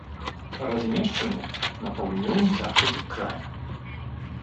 Размешчаны на паўднёвым захадзе края.